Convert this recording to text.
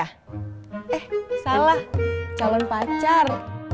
eh salah calon pacar